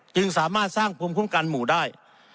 จึงสามารถสร้างภูมิคุ้มกันหมู่ได้